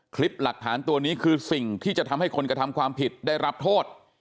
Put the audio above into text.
คลิปหลักฐานตัวนี้คือสิ่งที่จะทำให้คนกระทำความผิดได้รับโทษ